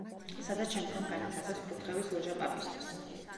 სადაც შემდგომ განათავსეს კურთხევის ლოჟა პაპისთვის.